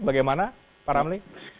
bagaimana pak ramli